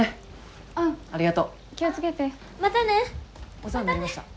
お世話になりました。